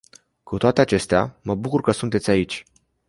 Cu toate acestea, mă bucur că sunteți aici.